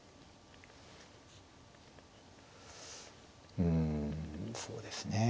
うんそうですねえ。